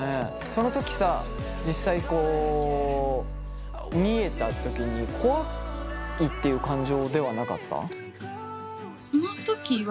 その時さ実際こう見えた時に怖いっていう感情ではなかった？